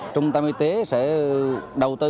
trung tâm y tế sẽ đầu tư